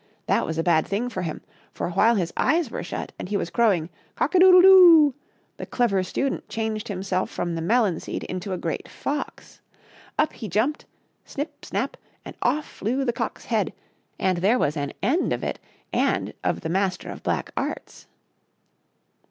That was a bad thing for him, for while his eyes were shut and he was crowing "cock a doodle do!" the Clever Stu dent changed himself from the melon seed into a great fox. Up he jumped — ^snip ! snap !— and off flew the cock's head, and there was an end of it and of the Master of Black Arts.